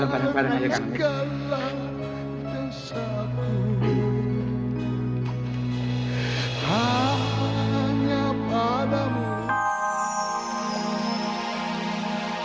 sudah toh kak hamid sudah sudah